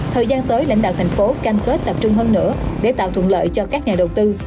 thời gian tới lãnh đạo thành phố cam kết tập trung hơn nữa để tạo thuận lợi cho các nhà đầu tư